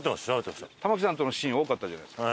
玉木さんとのシーン多かったじゃないですか。